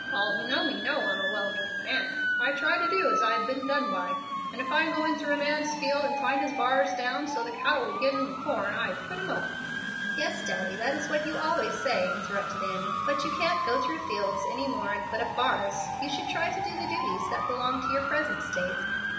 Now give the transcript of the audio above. All who know me know I'm a well meanin' man. I try to do as I'd be done by. If I'm going through a man's field and find his bars down, so the cattle would get in the corn, I'd put 'em up " "Yes, Daddy, that is what you always say," interrupted Annie; "but you can't go through the fields any more and put up bars. You should try to do the duties that belong to your present state."